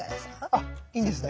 あっいいんですね？